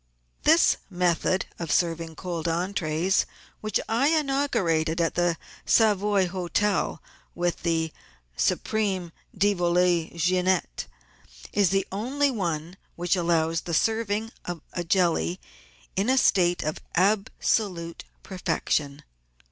This method of serving cold entries, which I inaugurated at the Savoy Hotel with the " Supreme de Volaille Jeannette," is the only one which allows of serving a jelly in a state of absolute perfection.